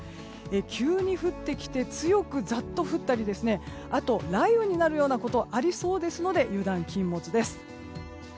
急に降ってきて強くザッと降ったりあとは雷雨になるようなことがありそうですので油断禁物です。